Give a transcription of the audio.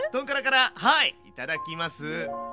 はいいただきます。